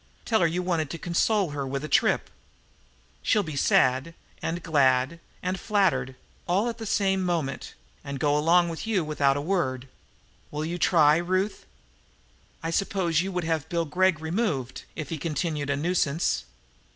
Tell her you want to console her with a trip. She'll be sad and glad and flattered, all in the same moment, and go along with you without a word. Will you try, Ruth?" "I suppose you would have Bill Gregg removed if he continued a nuisance?"